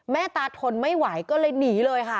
ตาทนไม่ไหวก็เลยหนีเลยค่ะ